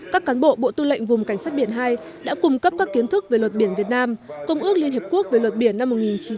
các cán bộ bộ tư lệnh vùng cảnh sát biển hai đã cung cấp các kiến thức về luật biển việt nam công ước liên hiệp quốc về luật biển năm một nghìn chín trăm tám mươi hai